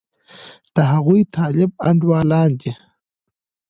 د هغوی طالب انډېوالان دي.